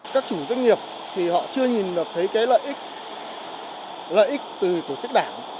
các chủ doanh nghiệp thì họ chưa nhìn được thấy cái lợi ích lợi ích từ tổ chức đảng